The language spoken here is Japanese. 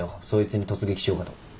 そいつに突撃しようかと。